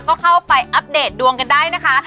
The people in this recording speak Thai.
ก็เข้าไปอัปเดตดวงกันได้นะคะ